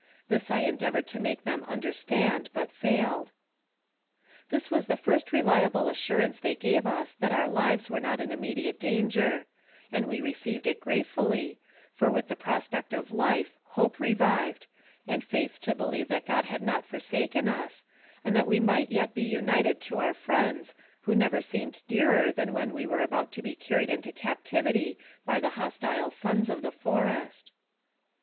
This I endeavored to make them understand, but failed. This was the first reliable assurance they gave us that our lives were not in immediate danger, and we received it gratefully, for with the prospect of life hope revived, and faith to believe that God had not for saken us, and that we might yet be united to our friends, who never seemed dearer than when we were about to be carried into captivity by the hostile sons of the forest.